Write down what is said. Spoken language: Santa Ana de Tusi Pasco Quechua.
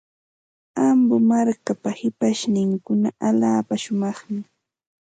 Ambo markapa shipashninkuna allaapa shumaqmi.